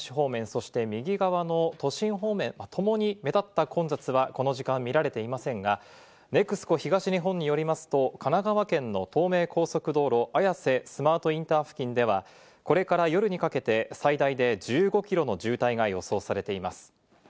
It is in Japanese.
そして右側の都心方面、ともに目立った混雑はこの時間、見られていませんがＮＥＸＣＯ東日本によりますと、神奈川県の東名高速道路・綾瀬スマートインター付近ではこれから夜にかけて最大で１５キロの渋滞が予想されています。